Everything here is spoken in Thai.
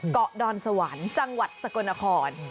เกาะดอนสวรรค์จังหวัดสกลนคร